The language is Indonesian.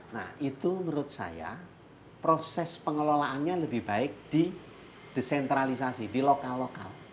nah itu menurut saya proses pengelolaannya lebih baik di desentralisasi di lokal lokal